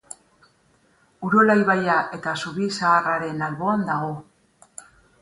Urola ibaia eta Zubi Zaharraren alboan dago.